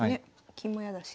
金も嫌だし。